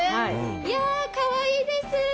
いや、かわいいです。